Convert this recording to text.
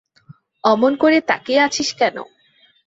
অমন করে তাকিয়ে আছিস কেন।